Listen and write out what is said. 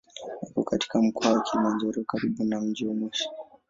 Iko katika Mkoa wa Kilimanjaro karibu na mji wa Moshi.